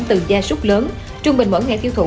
từ gia súc lớn trung bình mỗi ngày tiêu thụ